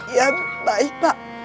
ya baik pak